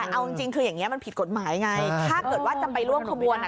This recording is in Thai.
แต่เอาจริงคืออย่างนี้มันผิดกฎหมายไงถ้าเกิดว่าจะไปร่วมขบวน